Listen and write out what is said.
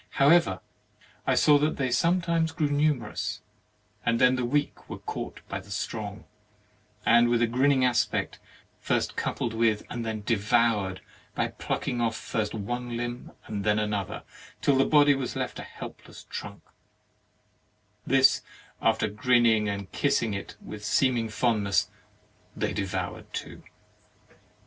However, I saw that they sometimes grew numerous, and then the weak were caught by the strong, and with a grinning aspect, first coupled with and then devoured by plucking off first one Umb and then another till the body was left a help less trunk; this, after grinning and kissing it with seeming fondness, they devoured too.